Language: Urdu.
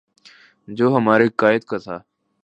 جو ہمارے قاہد کا تھا